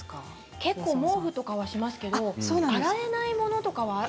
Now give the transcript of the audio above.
結構、毛布とかはしますけれども洗えないものもある。